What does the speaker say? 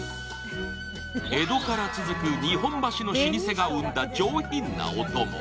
江戸から続く日本橋の老舗が生んだ上品なおとも。